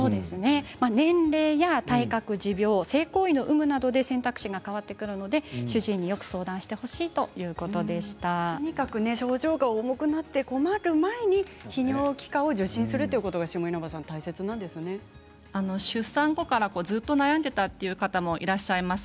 年齢、体格、持病性行為の有無などで選択肢が変わってくるので主治医によく相談してほしいととにかく症状が重くなって困る前に泌尿器科を受診するということが出産後からずっと悩んでいたという方もいらっしゃいます。